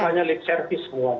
hanya lip service semua